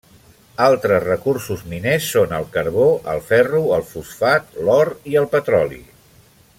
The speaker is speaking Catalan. Altres recursos miners són el carbó, el ferro, el fosfat, l'or i el petroli.